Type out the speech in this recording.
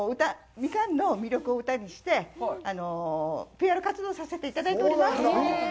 ミカンの魅力を歌にしてＰＲ活動をさせていただいております。